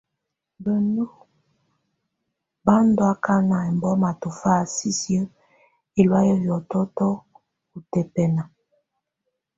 Bǝŋdu bá ndɔ̀ akana ɛmbɔma tɔfa sisi ɛlɔ̀áyɛ hiɔtɔtɔ utɛpɛna.